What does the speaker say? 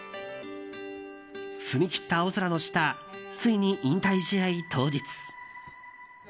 澄み切った青空の下ついに引退試合当日。